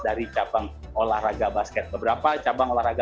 jika ada lima penabuh webasit berapanya saya aktif tiga